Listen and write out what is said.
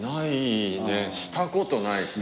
したことないし。